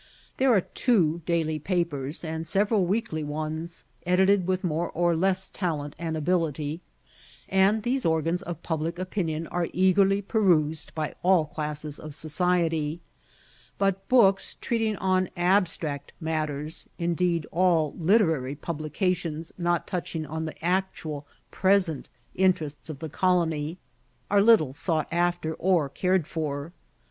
There are two daily papers, and several weekly ones, edited with more or less talent and ability, and these organs of public opinion are eagerly perused by all classes of society; but books treating on abstract matters indeed, all literary publications not touching on the actual present interests of the colony are little sought after or cared for.